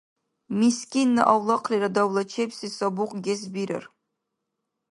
Мискинна авлахълира давлачебси сабухъ гес бирар.